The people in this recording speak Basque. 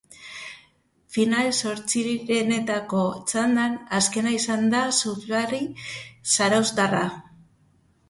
Final-zortzirenetako txandan azkena izan da surflari zarauztarra.